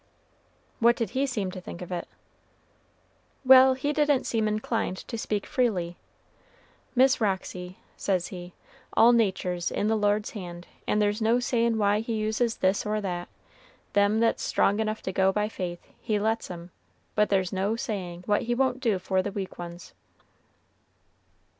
'" "What did he seem to think of it?" "Well, he didn't seem inclined to speak freely. 'Miss Roxy,' says he, 'all natur's in the Lord's hands, and there's no saying why he uses this or that; them that's strong enough to go by faith, he lets 'em, but there's no saying what he won't do for the weak ones.'"